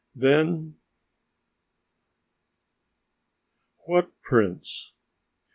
"What prince?"